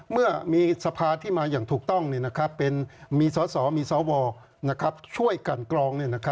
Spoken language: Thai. เมื่อมีสภาที่มาอย่างถูกต้องมีสอสอมีสวช่วยกันกรอง